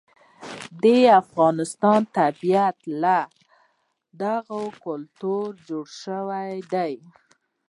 د افغانستان طبیعت له دغو کلیو جوړ شوی دی.